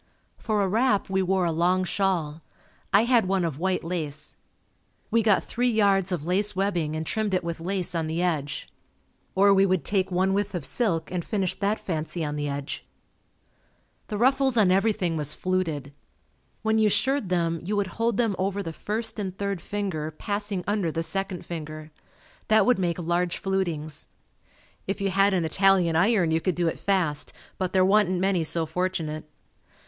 For a wrap we wore a long shawl. I had one of white lace. We got three yards of lace webbing and trimmed it with lace on the edge. Or we would take one width of silk and finish that fancy on the edge. The ruffles on everything was fluted. When you shirred them you would hold them over the first and third finger passing under the second finger. That would make large flutings. If you had an Italian iron you could do it fast, but there wa'n't many so fortunate.